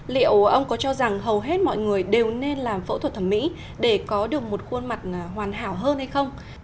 liệu ông có cho rằng hầu hết mọi người đều nên làm phẫu thuật thẩm mỹ để có được một khuôn mặt hoàn hảo hơn hay không